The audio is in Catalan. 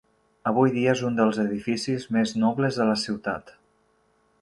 Avui dia és un dels edificis més nobles de la ciutat.